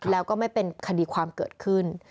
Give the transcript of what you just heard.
แล้วก็ไม่เป็นคดีความเกิดขึ้น